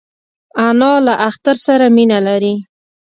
انا له اختر سره مینه لري